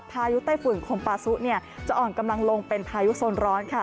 พายุไต้ฝุ่นคมปาซุจะอ่อนกำลังลงเป็นพายุโซนร้อนค่ะ